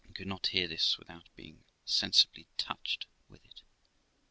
I could not hear this without being sensibly touched with it.